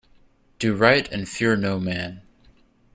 Do right and fear no man.